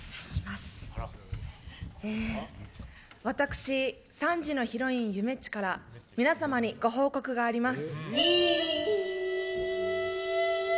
私、３時のヒロインゆめっちから皆様にご報告があります。